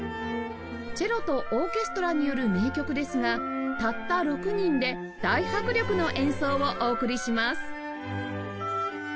チェロとオーケストラによる名曲ですがたった６人で大迫力の演奏をお送りします